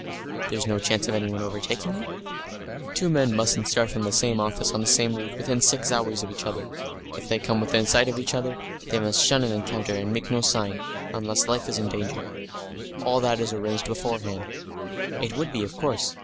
"There's no chance of anyone overtaking you?" "Two men mustn't start from the same office on the same route within six hours of each other. If they come within sight of each other, they must shun an encounter, and make no sign unless life is in danger. All that is arranged beforehand." "It would be, of course.